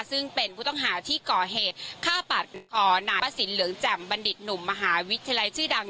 ซึ่งเป็นผู้ต้องหาที่ก่อเหตุฆ่าปัดคอนายประสินเหลืองแจ่มบัณฑิตหนุ่มมหาวิทยาลัยชื่อดัง